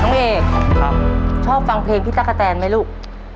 น้องเอกครับชอบฟังเพลงพี่ตักแกะแทนไหมลูก